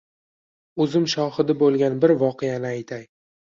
O’zim shoxidi bo’lgan bir voqeani aytay.